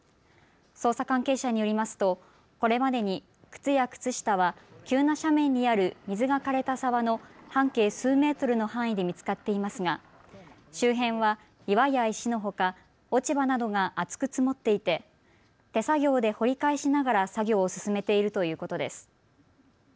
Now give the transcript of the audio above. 捜査関係者によりますとこれまでに靴や靴下は急な斜面にある水がかれた沢の半径数メートルの範囲で見つかっていますが、周辺は岩や石のほか落ち葉などが厚く積もっていて手作業で掘り返しながら作業を進めているということです。